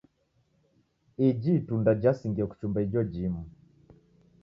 Iji itunda jasingie kuchumba ijo jimu.